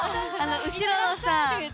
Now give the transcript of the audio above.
後ろのさ。